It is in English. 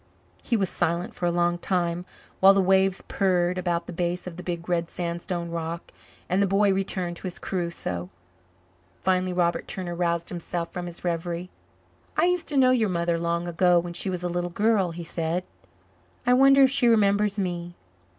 He was silent for a long time, while the waves purred about the base of the big red sandstone rock and the boy returned to his Crusoe. Finally Robert Turner roused himself from his reverie. "I used to know your mother long ago when she was a little girl," he said. "I wonder if she remembers me.